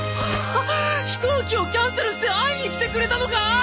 飛行機をキャンセルして会いに来てくれたのか？